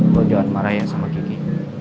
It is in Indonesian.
lo jangan marah ya sama kiki